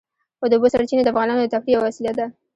د اوبو سرچینې د افغانانو د تفریح یوه وسیله ده.